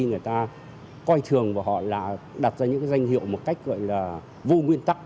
người ta coi thường và họ là đặt ra những danh hiệu một cách gọi là vô nguyên tắc